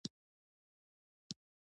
په شاعرۍ کې د الله او رسول مینه پرته ده.